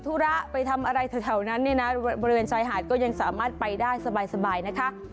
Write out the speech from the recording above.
ธุระไปทำอะไรแถวนั้นเนี่ยนะบริเวณชายหาดก็ยังสามารถไปได้สบายนะคะ